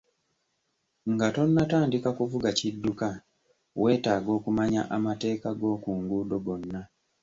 Nga tonnatandika kuvuga kidduka, weetaaga okumanya amateeka g'oku nguudo gonna.